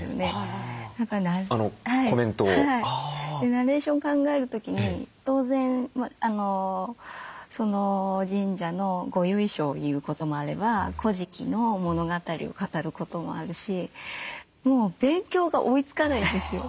ナレーション考える時に当然その神社のご由緒を言うこともあれば「古事記」の物語を語ることもあるしもう勉強が追いつかないんですよ。